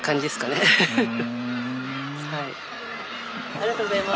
ありがとうございます。